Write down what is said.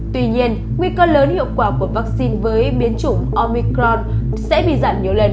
tuy nhiên nguy cơ lớn hiệu quả của vaccine với biến chủng omicron sẽ bị giảm nhiều lần